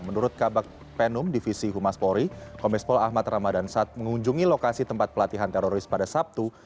menurut kabupatenum divisi humas polri komis pol ahmad ramadhan sat mengunjungi lokasi tempat pelatihan teroris pada sabtu